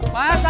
pak sayur siapa